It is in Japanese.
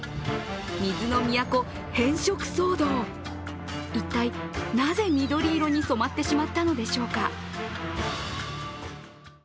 水の都変色騒動、一体なぜ緑色に染まってしまったのでしょうか？